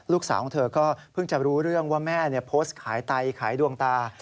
ลูกสาวของเธอก็เพิ่งจะรู้เรื่องว่าแม่โพสต์ขายไตขายดวงตา